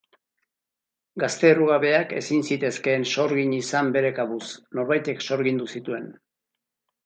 Gazte errugabeak ezin zitezkeen sorgin izan bere kabuz, norbaitek sorgindu zituen.